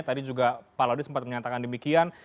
tadi juga pak laude sempat menyatakan demikian